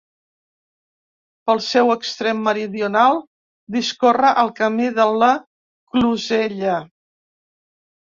Pel seu extrem meridional discorre el Camí de la Closella.